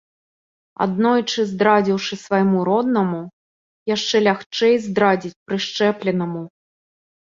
Аднойчы здрадзіўшы свайму роднаму, яшчэ лягчэй здрадзіць прышчэпленаму.